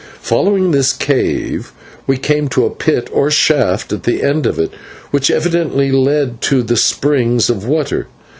Following this cave we came to a pit or shaft at the end of it, which evidently led to the springs of water.